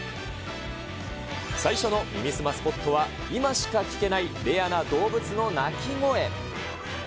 最初の耳すまスポットは、今しか聞けないレアな動物の鳴き声。